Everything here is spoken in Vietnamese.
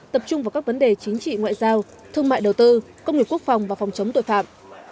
tập trung vào các vấn đề chính trị ngoại giao thương mại đầu tư công nghiệp quốc phòng và phòng chống tội phạm